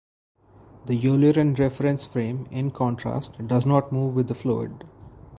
The Eulerian reference frame, in contrast, does not move with the fluid.